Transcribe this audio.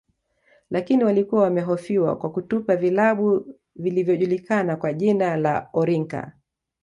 Lakini walikuwa wamehofiwa kwa kutupa vilabu vilvyojulikana kwa jina la orinka